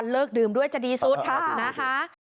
เลิกดื่มด้วยจะดีสุดนะคะ